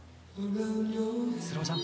スロージャンプ。